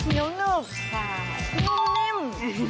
ลองแล้วนะ